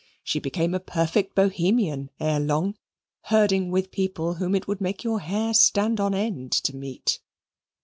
She became a perfect Bohemian ere long, herding with people whom it would make your hair stand on end to meet.